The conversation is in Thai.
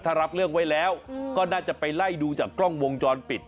ถ้ารับเรื่องไว้แล้วก็น่าจะไปไล่ดูจากกล้องวงจรปิด